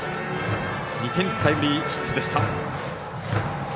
２点タイムリーヒットでした。